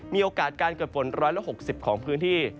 มีโอกาสการเกิดฝน๑๖๐ของพื้นที่